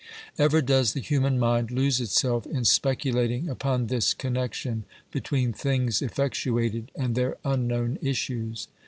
Ever does the human mind lose itself in speculating upon this connection between things effectuated and their unknown issues.